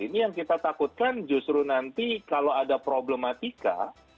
ini yang kita takutkan justru nanti kalau ada problematika